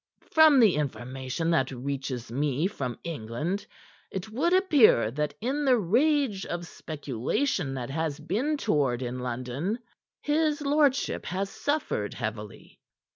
From the information that reaches me from England, it would appear that in the rage of speculation that has been toward in London, his lordship has suffered heavily.